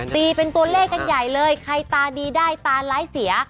ตีเป็นตัวเลขกันใหญ่เลยใครตาดีได้ตาร้ายเสีย